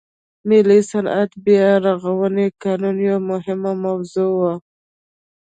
ملي صنعت بیا رغونې قانون یوه مهمه موضوع وه.